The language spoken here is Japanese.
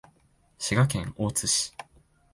滋賀県大津市